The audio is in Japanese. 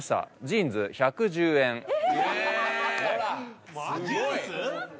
ジーンズ１１０円ええっ！